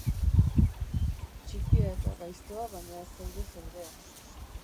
Txikia eta gaiztoa, baina zeure-zeurea.